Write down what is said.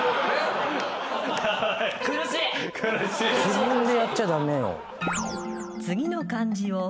自分でやっちゃ駄目よ。